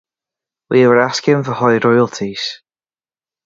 We were asking for high royalties.